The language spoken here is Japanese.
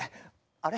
あれ？